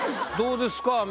どうですか？